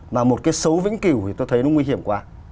và một cái xấu vĩnh cửu thì tôi thấy nó nguy hiểm quá